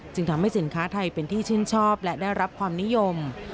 ทำให้สินค้าไทยเป็นที่ชื่นชอบและได้รับความนิยม